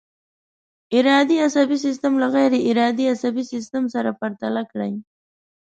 ارادي عصبي سیستم له غیر ارادي عصبي سیستم سره پرتله کړئ.